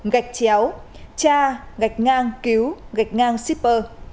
gạch chéo tra gạch ngang cứu gạch ngang shipper